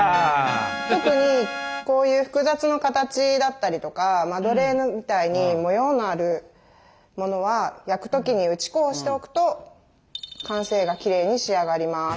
特にこういう複雑な形だったりとかマドレーヌみたいに模様のあるものは焼く時に打ち粉をしておくと完成がきれいに仕上がります。